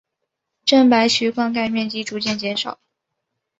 郑白渠灌溉面积逐渐减少。